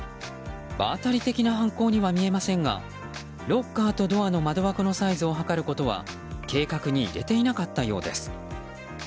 場当たり的な犯行には見えませんがロッカーとドアの窓枠のサイズを測ることは計画に入れていなかったようです。